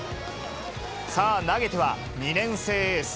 さあ、投げては、２年生エース、